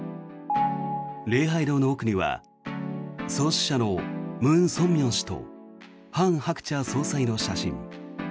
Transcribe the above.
礼拝堂の奥には創始者のムン・ソンミョン氏とハン・ハクチャ総裁の写真。